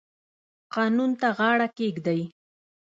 قانون ته غاړه کیږدئ